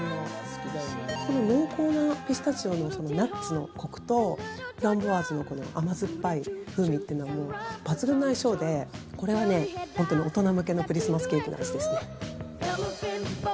この濃厚なピスタチオのナッツのコクとフランボワーズのこの甘酸っぱい風味というのはもう抜群の相性でこれは本当に大人向けのクリスマスケーキの味ですね。